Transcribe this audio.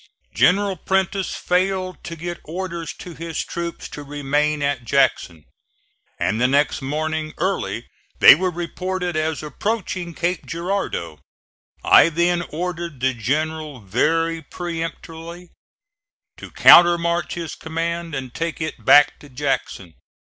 General Prentiss failed to get orders to his troops to remain at Jackson, and the next morning early they were reported as approaching Cape Girardeau. I then ordered the General very peremptorily to countermarch his command and take it back to Jackson.